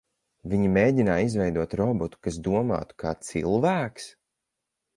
Viņi mēģināja izveidot robotu, kas domātu kā cilvēks?